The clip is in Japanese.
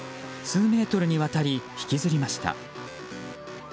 数メートルにわたり引きずりました。